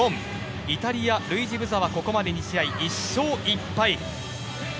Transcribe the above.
イタリア、ルイジ・ブザはここまで１勝１敗